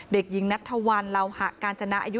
เด็กหญิงนัทธวัลเหล่าหะกาญจนาอายุ